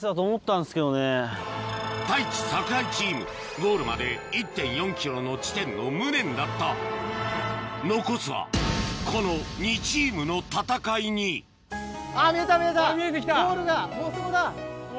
太一・櫻井チームゴールまで１．４ｋｍの地点の無念だった残すはこの２チームの戦いにうわ。